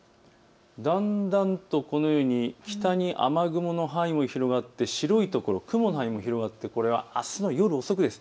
だんだんとこのように北に雨雲の範囲が広がって、白いところ雲の範囲も広がってあすの夜遅くです。